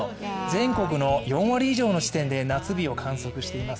全国の４割以上の地点で夏日を観測しています。